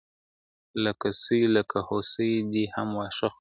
لکه سوی لکه هوسۍ، دی هم واښه خوري `